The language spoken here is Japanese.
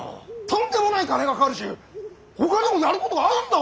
とんでもない金がかかるしほかにもやることがあるんだ